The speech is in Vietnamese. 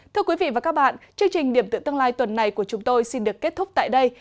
thưa quý vị và các bạn chương trình điểm tựa tương lai tuần này của chúng tôi xin được kết thúc tại đây